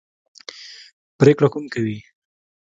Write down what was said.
پرېکړه کوم کوي.